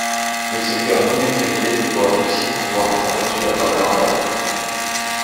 Le secteur non éclairé doit aussi pouvoir être aperçu à travers l'emballage.